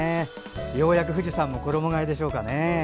ようやく富士山も衣がえでしょうか。